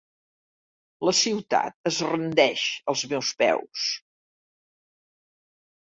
La ciutat es rendeix als meus peus.